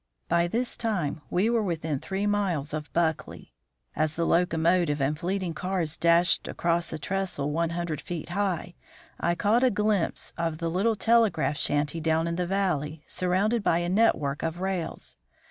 By this time we were within three miles of Buckley. As the locomotive and fleeting cars dashed across a trestle one hundred feet high, I caught a glimpse of the little telegraph shanty down in the valley, surrounded by a network of rails.